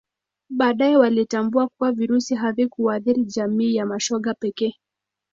Baadae walitambua kuwa Virusi havikuwaathiri jamii ya mashoga pekee